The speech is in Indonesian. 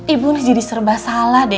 ibu ini jadi serba salah deh